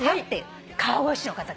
川越市の方から。